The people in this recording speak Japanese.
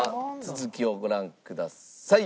続きをご覧ください。